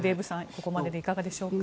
ここまででいかがでしょうか。